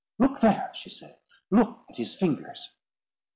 "Look there!" she said; "look at his fingers!"